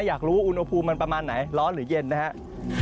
อยากรู้อุณหภูมิมันประมาณไหนร้อนหรือเย็นนะครับ